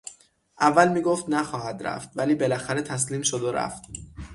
اول میگفت نخواهد رفت ولی بالاخره تسلیم شد و رفت.